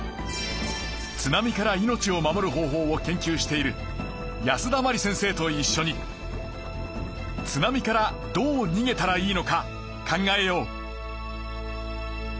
津波から命を守る方法を研究している保田真理先生といっしょに津波からどう逃げたらいいのか考えよう。